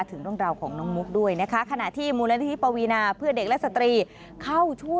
ซึ่งวันนี้นะคะ